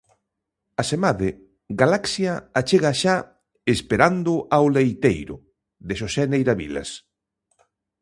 Asemade, Galaxia achega xa "Esperando ao leiteiro", de Xosé Neira Vilas.